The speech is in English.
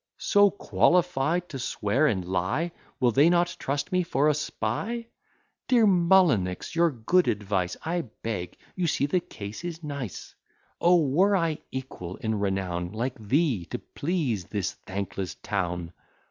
So qualified to swear and lie, Will they not trust me for a spy? Dear Mullinix, your good advice I beg; you see the case is nice: O! were I equal in renown, Like thee to please this thankless town!